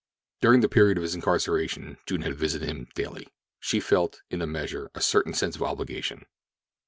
During the period of his incarceration June had visited him daily. She felt, in a measure, a certain sense of obligation.